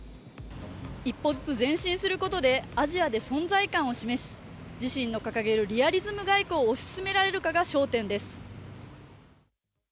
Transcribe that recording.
一歩ずつ前身することでアジアで存在感を示し、自身の掲げるリアリズム外交を推し進められるかが焦点です。